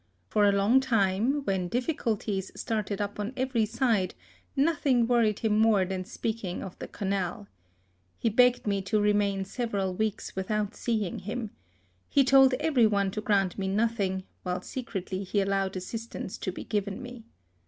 For a long time, when difficulties started up on every side, noth ing worried him more than speaking of the Canal, He begged me to remain several weeks without seeing him. He told every one to grant me nothing, while secretly he allowed assistance to be given me.